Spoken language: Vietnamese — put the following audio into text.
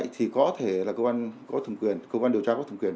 thì có thể là cơ quan điều tra có thùng quyền